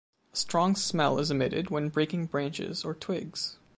A strong smell is emitted when breaking branches or twigs.